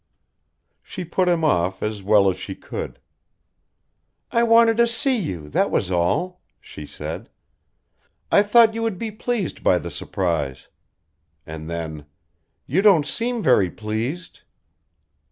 She put him off as well as she could. "I wanted to see you, that was all," she said. "I thought you would be pleased by the surprise," and then: "You don't seem very pleased."